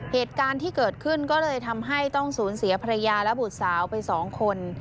เหตุการณ์ที่เกิดขึ้นก็เลยทำให้ต้องสูญเสียภรรยาและบุตรสาวไปสองคน